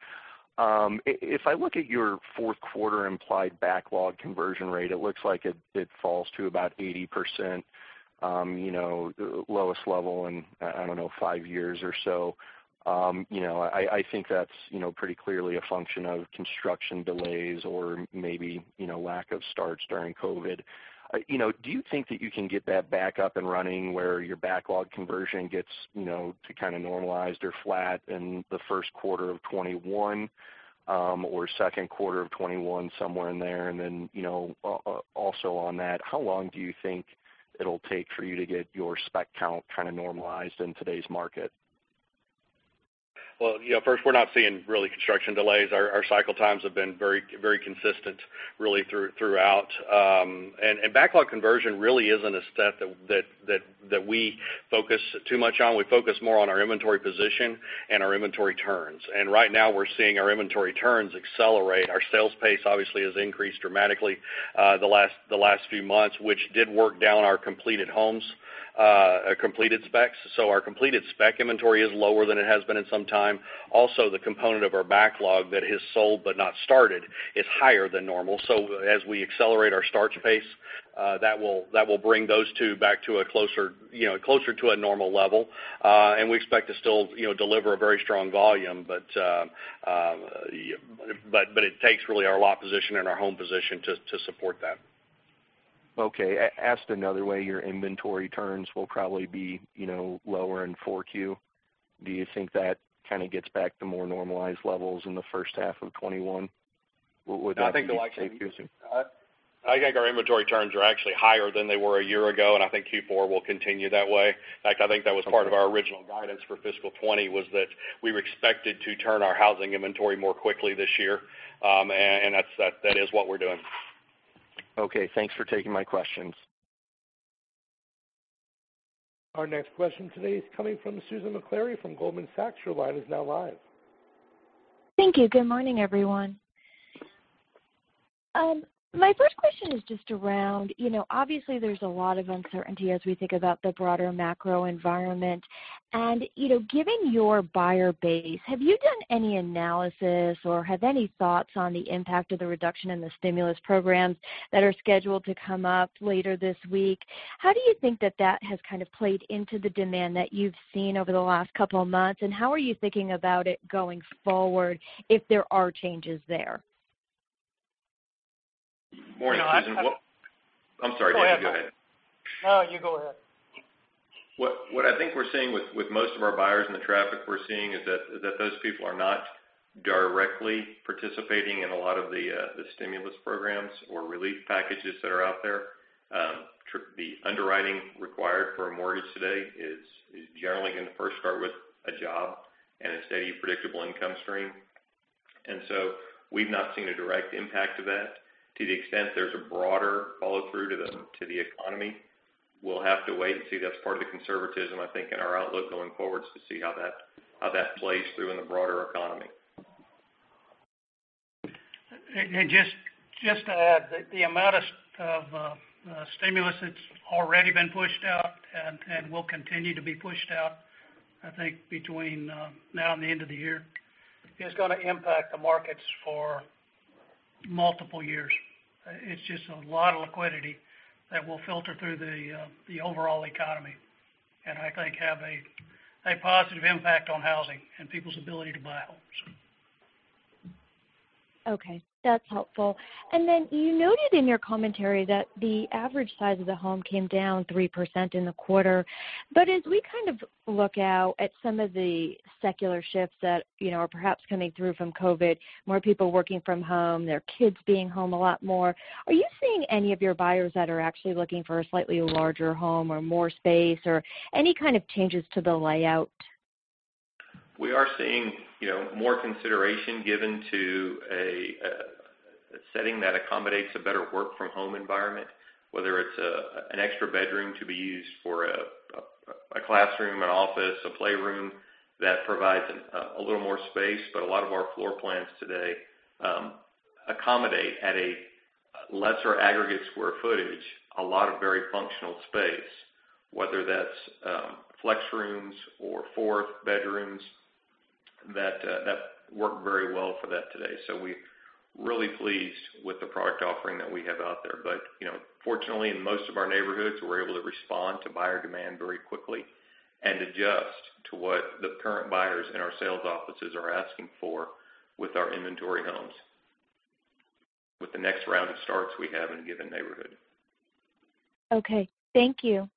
If I look at your fourth quarter implied backlog conversion rate, it looks like it falls to about 80%, lowest level in, I don't know, five years or so. I think that's pretty clearly a function of construction delays or maybe lack of starts during COVID-19. Do you think that you can get that back up and running where your backlog conversion gets to kind of normalized or flat in the first quarter of 2021, or second quarter of 2021, somewhere in there? Also on that, how long do you think it'll take for you to get your spec count kind of normalized in today's market? Well, first we're not seeing really construction delays. Our cycle times have been very consistent really throughout. Backlog conversion really isn't a step that we focus too much on. We focus more on our inventory position and our inventory turns. Right now we're seeing our inventory turns accelerate. Our sales pace obviously has increased dramatically the last few months, which did work down our completed homes, completed specs. Our completed spec inventory is lower than it has been in some time. Also, the component of our backlog that is sold but not started is higher than normal. As we accelerate our starts pace that will bring those two back closer to a normal level. We expect to still deliver a very strong volume, but it takes really our lot position and our home position to support that. Okay. Asked another way, your inventory turns will probably be lower in 4Q. Do you think that kind of gets back to more normalized levels in the first half of 2021? What would that take? I think our inventory turns are actually higher than they were a year ago. I think Q4 will continue that way. In fact, I think that was part of our original guidance for fiscal 2020, was that we were expected to turn our housing inventory more quickly this year. That is what we're doing. Okay, thanks for taking my questions. Our next question today is coming from Susan Maklari from Goldman Sachs. Your line is now live. Thank you. Good morning, everyone. My first question is just around, obviously there's a lot of uncertainty as we think about the broader macro environment, and given your buyer base, have you done any analysis or have any thoughts on the impact of the reduction in the stimulus programs that are scheduled to come up later this week? How do you think that has kind of played into the demand that you've seen over the last couple of months, and how are you thinking about it going forward if there are changes there? Morning, Susan. No. I'm sorry, Dave, go ahead. No, you go ahead. What I think we're seeing with most of our buyers and the traffic we're seeing is that those people are not directly participating in a lot of the stimulus programs or relief packages that are out there. The underwriting required for a mortgage today is generally going to first start with a job and a steady, predictable income stream. We've not seen a direct impact of that. To the extent there's a broader follow-through to the economy, we'll have to wait and see. That's part of the conservatism, I think, in our outlook going forward, to see how that plays through in the broader economy. Just to add, the amount of stimulus that's already been pushed out and will continue to be pushed out, I think between now and the end of the year, is going to impact the markets for multiple years. It's just a lot of liquidity that will filter through the overall economy, and I think have a positive impact on housing and people's ability to buy homes. Okay, that's helpful. You noted in your commentary that the average size of the home came down 3% in the quarter. As we kind of look out at some of the secular shifts that are perhaps coming through from COVID, more people working from home, their kids being home a lot more, are you seeing any of your buyers that are actually looking for a slightly larger home or more space or any kind of changes to the layout? We are seeing more consideration given to a setting that accommodates a better work-from-home environment, whether it's an extra bedroom to be used for a classroom, an office, a playroom that provides a little more space. A lot of our floor plans today accommodate at a lesser aggregate square footage, a lot of very functional space, whether that's flex rooms or fourth bedrooms that work very well for that today. We're really pleased with the product offering that we have out there. Fortunately, in most of our neighborhoods, we're able to respond to buyer demand very quickly and adjust to what the current buyers in our sales offices are asking for with our inventory homes, with the next round of starts we have in a given neighborhood. Okay. Thank you.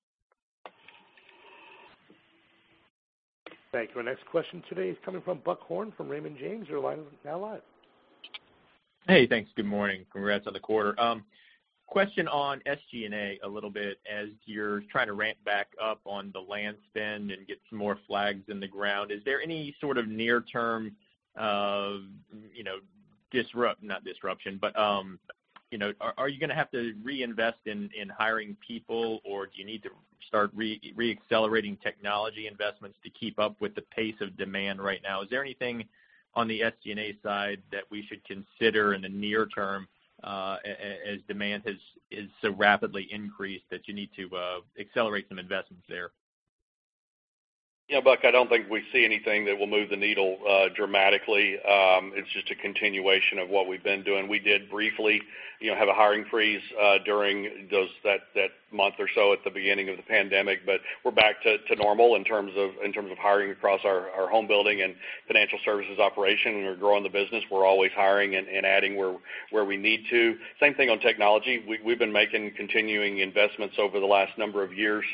Thank you. Our next question today is coming from Buck Horne from Raymond James. Your line is now live. Hey, thanks. Good morning. Congrats on the quarter. Question on SG&A a little bit. As you're trying to ramp back up on the land spend and get some more flags in the ground, is there any sort of near-term not disruption, but are you going to have to reinvest in hiring people, or do you need to start re-accelerating technology investments to keep up with the pace of demand right now? Is there anything on the SG&A side that we should consider in the near term as demand has so rapidly increased that you need to accelerate some investments there? Yeah, Buck, I don't think we see anything that will move the needle dramatically. It's just a continuation of what we've been doing. We did briefly have a hiring freeze during that month or so at the beginning of the pandemic. We're back to normal in terms of hiring across our home building and financial services operation. We're growing the business. We're always hiring and adding where we need to. Same thing on technology. We've been making continuing investments over the last number of years,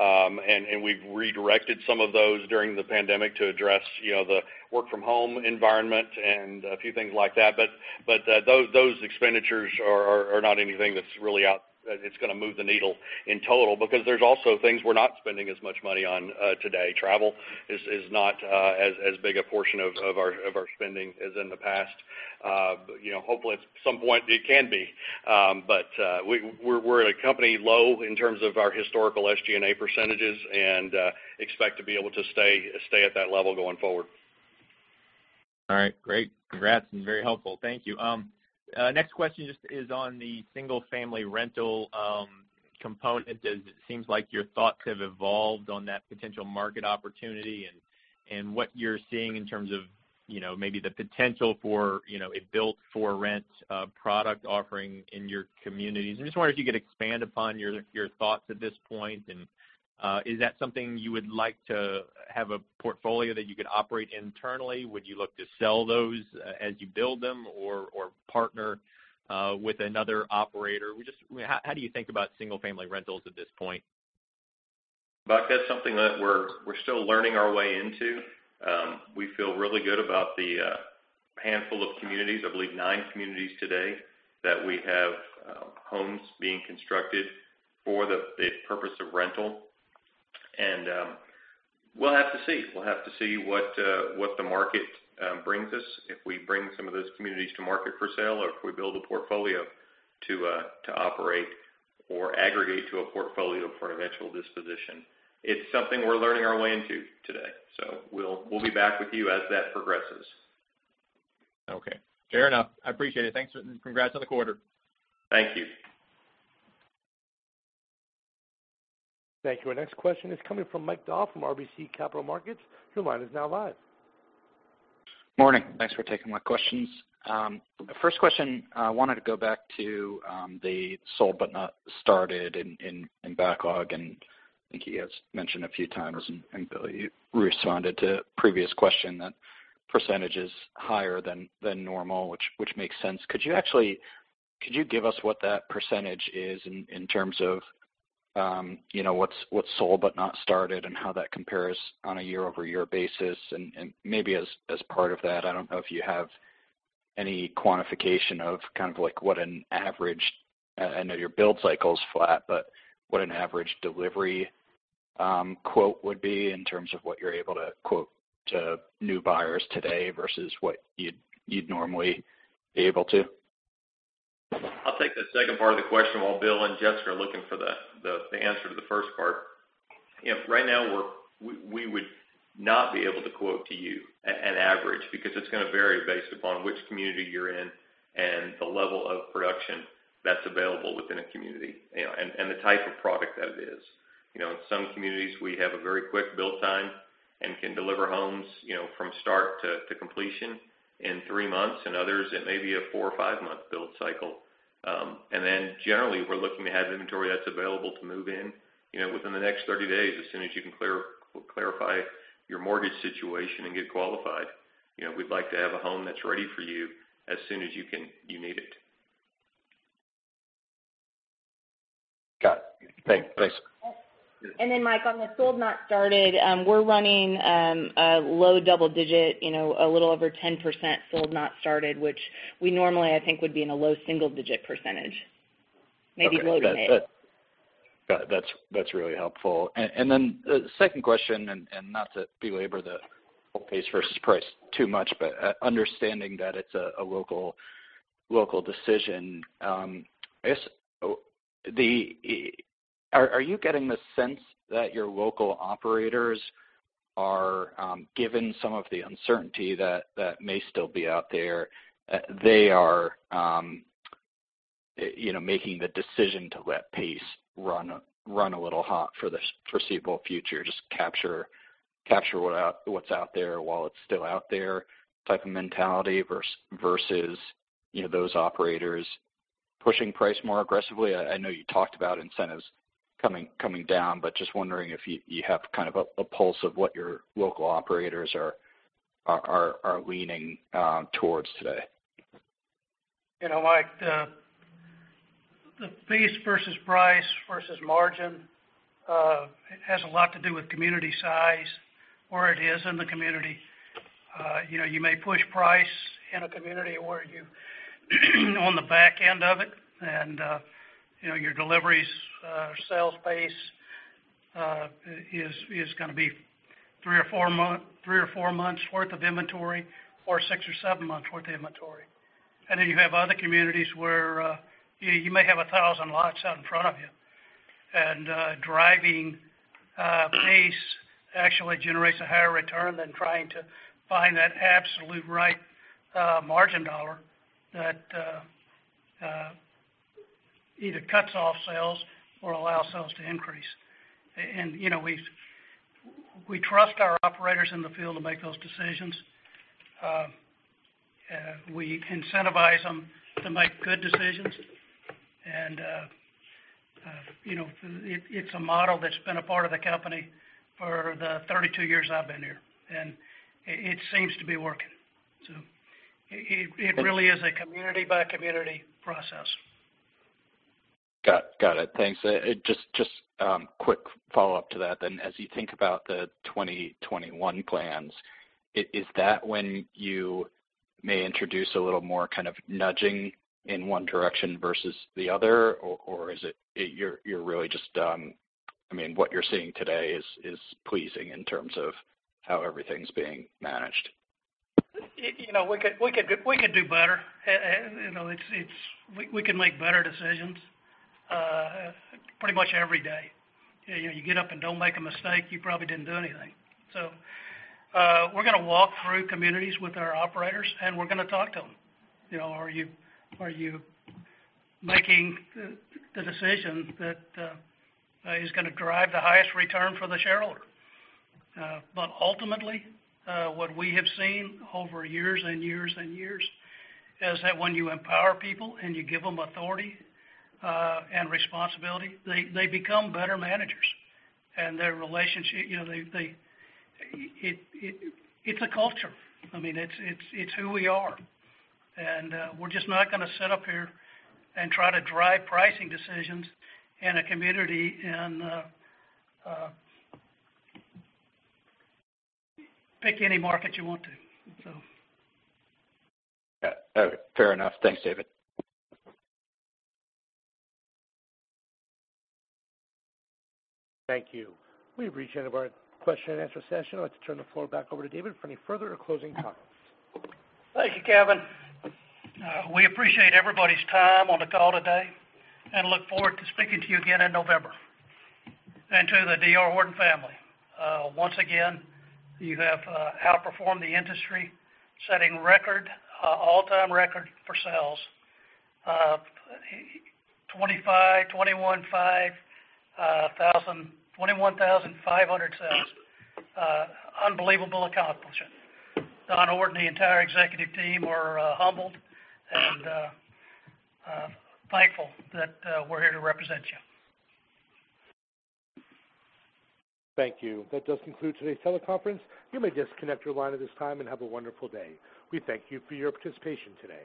and we've redirected some of those during the pandemic to address the work-from-home environment and a few things like that. Those expenditures are not anything that's going to move the needle in total because there's also things we're not spending as much money on today. Travel is not as big a portion of our spending as in the past. Hopefully at some point it can be. We're at a company low in terms of our historical SG&A percentages and expect to be able to stay at that level going forward. All right, great. Congrats and very helpful. Thank you. Next question just is on the single-family rental component. It seems like your thoughts have evolved on that potential market opportunity and what you're seeing in terms of maybe the potential for a built-for-rent product offering in your communities. I'm just wondering if you could expand upon your thoughts at this point, and is that something you would like to have a portfolio that you could operate internally? Would you look to sell those as you build them or partner with another operator? How do you think about single-family rentals at this point? Buck, that's something that we're still learning our way into. We feel really good about the handful of communities, I believe nine communities today, that we have homes being constructed for the purpose of rental. We'll have to see. We'll have to see what the market brings us, if we bring some of those communities to market for sale, or if we build a portfolio to operate or aggregate to a portfolio for an eventual disposition. It's something we're learning our way into today. We'll be back with you as that progresses. Okay. Fair enough. I appreciate it. Thanks. Congrats on the quarter. Thank you. Thank you. Our next question is coming from Mike Dahl from RBC Capital Markets. Your line is now live. Morning. Thanks for taking my questions. First question, I wanted to go back to the sold but not started in backlog, and I think you guys mentioned a few times, and Bill, you responded to a previous question, that percentage is higher than normal, which makes sense. Could you give us what that percentage is in terms of what's sold but not started and how that compares on a year-over-year basis? Maybe as part of that, I don't know if you have any quantification of kind of what an average, I know your build cycle's flat, but what an average delivery quote would be in terms of what you're able to quote to new buyers today versus what you'd normally be able to? I'll take the second part of the question while Bill and Jessica are looking for the answer to the first part. Right now, we would not be able to quote to you an average, because it's going to vary based upon which community you're in and the level of production that's available within a community, and the type of product that it is. In some communities, we have a very quick build time and can deliver homes from start to completion in three months. In others, it may be a four or five-month build cycle. Generally, we're looking to have inventory that's available to move in within the next 30 days, as soon as you can clarify your mortgage situation and get qualified. We'd like to have a home that's ready for you as soon as you need it. Got it. Thanks. Mike, on the sold not started, we're running a low double digit, a little over 10% sold not started, which we normally, I think, would be in a low-single-digit percentage. Maybe low-single-digit. Okay. Got it. That is really helpful. The second question, not to belabor the pace versus price too much, understanding that it is a local decision, are you getting the sense that your local operators are given some of the uncertainty that may still be out there? They are making the decision to let pace run a little hot for the foreseeable future, just capture what is out there while it is still out there type of mentality, versus those operators pushing price more aggressively. I know you talked about incentives coming down, just wondering if you have kind of a pulse of what your local operators are leaning towards today. Mike, the pace versus price versus margin has a lot to do with community size, where it is in the community. You may push price in a community where you on the back end of it, your deliveries sales pace is going to be three or four months worth of inventory, or six or seven months worth of inventory. You have other communities where you may have 1,000 lots out in front of you, and driving pace actually generates a higher return than trying to find that absolute right margin dollar that either cuts off sales or allows sales to increase. We trust our operators in the field to make those decisions. We incentivize them to make good decisions. It's a model that's been a part of the company for the 32 years I've been here, and it seems to be working. It really is a community-by-community process. Got it. Thanks. Just quick follow-up to that then. As you think about the 2021 plans, is that when you may introduce a little more kind of nudging in one direction versus the other, or you're really just done? What you're seeing today is pleasing in terms of how everything's being managed. We could do better. We can make better decisions. Pretty much every day. You get up and don't make a mistake, you probably didn't do anything. We're going to walk through communities with our operators, and we're going to talk to them. Are you making the decision that is going to drive the highest return for the shareholder? Ultimately, what we have seen over years and years is that when you empower people and you give them authority and responsibility, they become better managers. Their relationship, it's a culture. It's who we are, and we're just not going to sit up here and try to drive pricing decisions in a community in pick any market you want to. Fair enough. Thanks, David. Thank you. We've reached the end of our question and answer session. I'd like to turn the floor back over to David for any further or closing comments. Thank you, Kevin. We appreciate everybody's time on the call today and look forward to speaking to you again in November. To the D.R. Horton family, once again, you have outperformed the industry, setting all-time record for sales. 21,500 sales. Unbelievable accomplishment. Don Horton, the entire executive team are humbled and thankful that we're here to represent you. Thank you. That does conclude today's teleconference. You may disconnect your line at this time, and have a wonderful day. We thank you for your participation today.